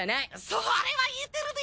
それは言えてるで！